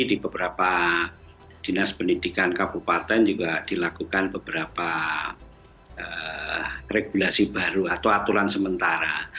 di beberapa dinas pendidikan kabupaten juga dilakukan beberapa regulasi baru atau aturan sementara